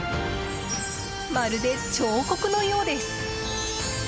まるで彫刻のようです。